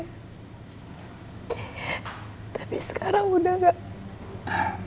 tapi sekarang udah gak